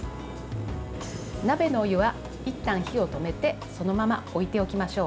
鍋のお湯はいったん火を止めてそのまま置いておきましょう。